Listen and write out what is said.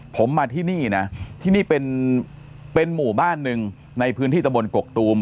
ผมมาที่นี่นะที่นี่เป็นหมู่บ้านหนึ่งในพื้นที่ตะบนกกตูม